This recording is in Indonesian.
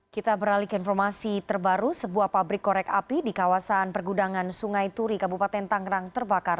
kita beralih ke informasi terbaru sebuah pabrik korek api di kawasan pergudangan sungai turi kabupaten tangerang terbakar